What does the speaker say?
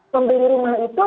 membeli rumah itu